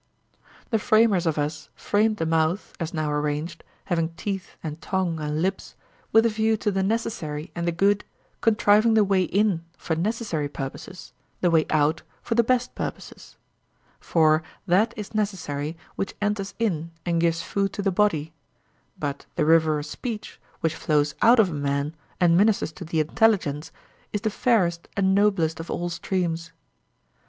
The framers of us framed the mouth, as now arranged, having teeth and tongue and lips, with a view to the necessary and the good contriving the way in for necessary purposes, the way out for the best purposes; for that is necessary which enters in and gives food to the body; but the river of speech, which flows out of a man and ministers to the intelligence, is the fairest and noblest of all streams.